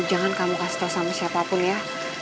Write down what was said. jangan kamu kasih tahu sama siapapun ya